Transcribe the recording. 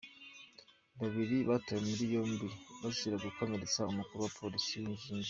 Babiri batawe muri yombi bazira gukomeretsa Umukuru wa Polisi wungirije